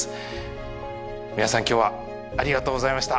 皆さん今日はありがとうございました。